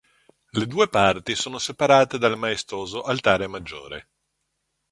Le due parti sono separate dal maestoso altare maggiore.